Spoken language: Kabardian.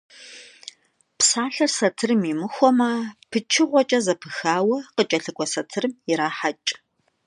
Psalher satırım yimıxueme, pıçığueç'e zepıxaue khıç'elhık'ue satırım yiraheç'.